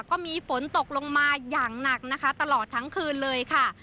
ก็มีฝนตกลงมาอย่างหนักนะคะตลอดทั้งคืนเลยค่ะ